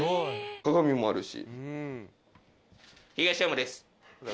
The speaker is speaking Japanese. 鏡もあるし。